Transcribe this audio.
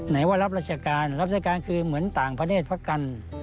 ไหนว่ารับราชการรับราชการคือเหมือนต่างประเทศพักกัน